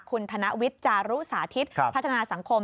คุณธนวิทย์จารุสาธิตพัฒนาสังคม